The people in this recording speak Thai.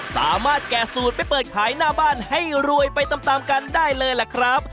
สามารถแก่สูตรไปเปิดขายหน้าบ้านให้รวยไปตามกันได้เลยล่ะครับ